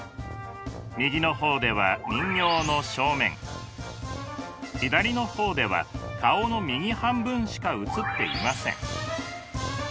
右の方では人形の正面左の方では顔の右半分しか映っていません。